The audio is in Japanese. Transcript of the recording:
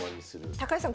高橋さん